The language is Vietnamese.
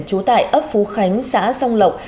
chú tại ấp phú khánh xã song lộc